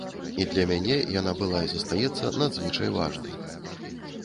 І для мяне яна была і застаецца надзвычай важнай.